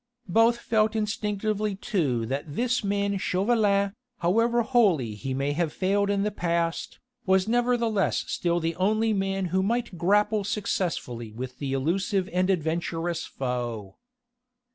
Both felt instinctively too that this man Chauvelin, however wholly he may have failed in the past, was nevertheless still the only man who might grapple successfully with the elusive and adventurous foe.